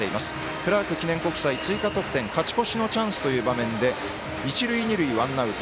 クラーク記念国際、追加得点勝ち越しのチャンスという場面で一塁二塁、ワンアウト。